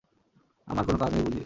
আমার কোনো কাজ নেই বুঝি?